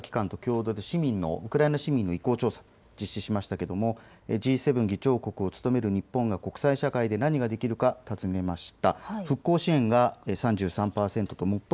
ＮＨＫ先月、ウクライナの調査機関と共同でウクライナ市民の意向調査を実施しましたが、Ｇ７議長国を務める日本が国際社会で何ができるか尋ねました。